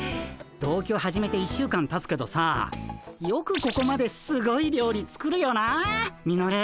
同居始めて１週間たつけどさよくここまですごい料理作るよなあミノル。